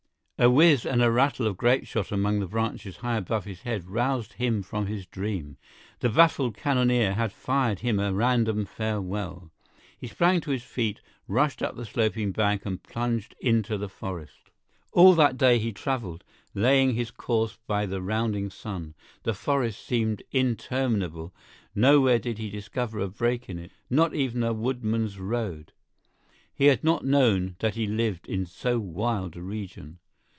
A whiz and a rattle of grapeshot among the branches high above his head roused him from his dream. The baffled cannoneer had fired him a random farewell. He sprang to his feet, rushed up the sloping bank, and plunged into the forest. All that day he traveled, laying his course by the rounding sun. The forest seemed interminable; nowhere did he discover a break in it, not even a woodman's road. He had not known that he lived in so wild a region.